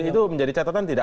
itu menjadi catatan tidak